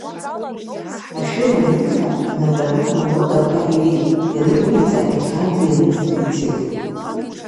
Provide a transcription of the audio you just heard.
Ашәыр анифа, днатәаны анотақәа иҩит ианықәиҵа ақьаад ианыҵны ицеит.